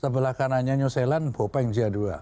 sebelah kanannya new zealand bopeng j dua